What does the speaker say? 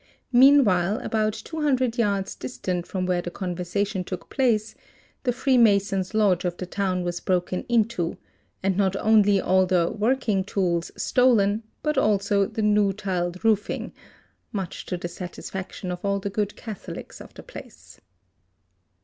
Meanwhile about 200 yards distant from where the conversation took place, the Freemason's Lodge of the town was broken into, and not only all the "working tools'' stolen, but also the new tiled roofing ; much to the satisfaction of all the good catholics of the place.